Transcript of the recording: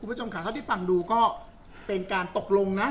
คุณผู้ชมค่ะเท่าที่ฟังดูก็เป็นการตกลงนะ